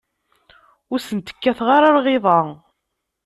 Ur sent-kkateɣ ara lɣiḍa.